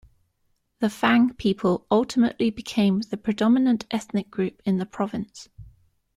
The Fang people ultimately became the predominant ethnic group in the province.